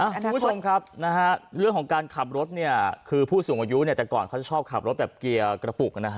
คุณผู้ชมครับนะฮะเรื่องของการขับรถเนี่ยคือผู้สูงอายุเนี่ยแต่ก่อนเขาจะชอบขับรถแบบเกียร์กระปุกนะฮะ